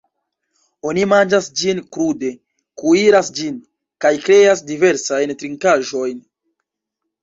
Oni manĝas ĝin krude, kuiras ĝin, kaj kreas diversajn trinkaĵojn.